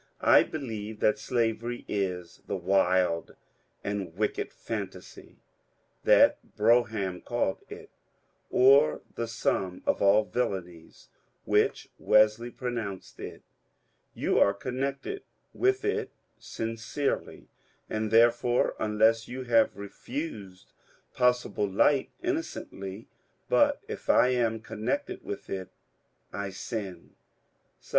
I believe that slavery is the ^^ wild and wicked phantasy " that Brougham called it ; or the " sum of all villainies " which Wesley pro nounced it. You are connected with it sincerely, and, there fore, unless you have refused possible light, innocently ; but if I am connected with it, I sin. Sou.